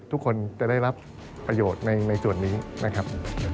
ทุกคนจะได้รับประโยชน์ในส่วนนี้นะครับ